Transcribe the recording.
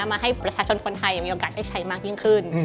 มาให้ประชาชนคนไทยมีโอกาสได้ใช้มากยิ่งขึ้น